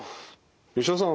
吉田さん